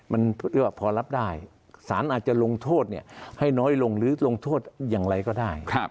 มันพอรับได้ศาลอาจจะลงโทษเนี่ยให้น้อยลงหรือลงโทษอย่างไรก็ได้